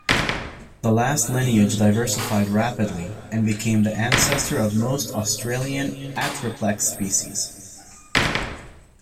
The last lineage diversified rapidly, and became the ancestor of most Australian "Atriplex" species.